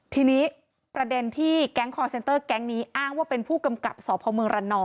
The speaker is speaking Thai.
ทีนี้ประเด็นที่แก๊งคอร์เซนเตอร์แก๊งนี้อ้างว่าเป็นผู้กำกับสพเมืองระนอง